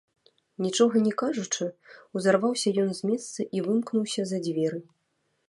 Нічога не кажучы, узарваўся ён з месца і вымкнуўся за дзверы.